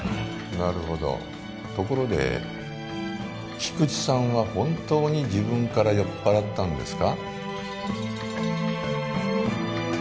なるほどところで菊池さんは本当に自分から酔っ払ったんですか？